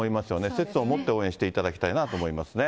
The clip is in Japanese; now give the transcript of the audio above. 節度を持って応援していただきたいなと思いますね。